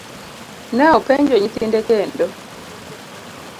ne openjo nyithinde kendo.